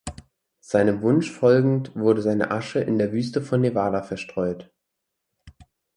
Seinem Wunsch folgend, wurde seine Asche in der Wüste von Nevada verstreut.